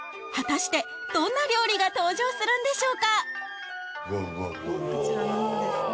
果たしてどんな料理が登場するんでしょうか？